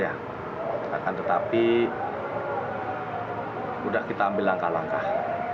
akan tetapi sudah kita ambil langkah langkah